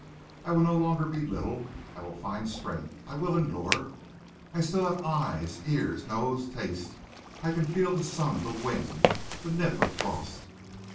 I will no longer be little. I will find strength. I will endure.... I still have eyes, ears, nose, taste. I can feel the sun, the wind, the nip of frost.